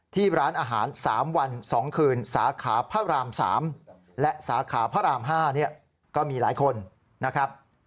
ที่ร้านอาหาร๓วัน๒คืนสาขาพระราม๓และสาขาพระราม๕เนี่ยก็มีหลายคนนะครับ